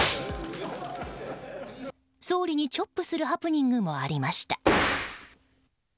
総理にチョップするハプニングもありました。